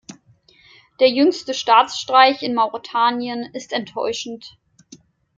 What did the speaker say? Der jüngste Staatsstreich in Mauretanien ist enttäuschend.